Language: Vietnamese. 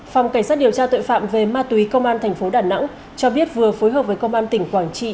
phòng cảnh sát điều tra tội phạm về ma túy công an thành phố đà nẵng cho biết vừa phối hợp với công an tỉnh quảng trị